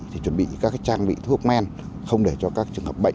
thì chuẩn bị các trang bị thuốc men không để cho các trường hợp bệnh